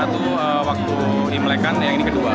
pernyumbur satu waktu di melekan dan yang ini kedua